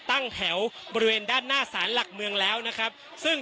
ตั้งแถวบริเวณด้านหน้าสารหลักเมืองแล้วนะครับซึ่ง